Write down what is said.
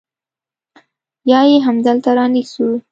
يا يې همدلته رانيسو.